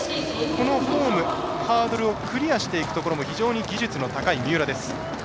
このフォーム、ハードルをクリアしていくところも非常に技術の高い三浦です。